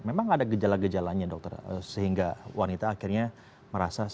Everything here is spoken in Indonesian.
memang ada kejala kejalanya dokter sehingga wanita akhirnya merasa